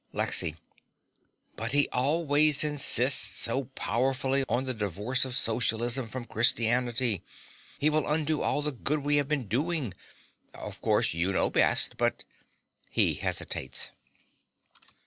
LEXY. But he always insists so powerfully on the divorce of Socialism from Christianity. He will undo all the good we have been doing. Of course you know best; but (He hesitates.)